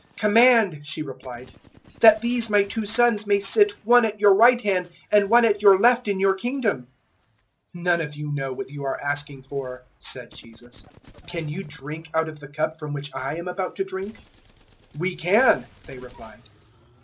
"Command," she replied, "that these my two sons may sit one at your right hand and one at your left in your Kingdom." 020:022 "None of you know what you are asking for," said Jesus; "can you drink out of the cup from which I am about to drink?" "We can," they replied.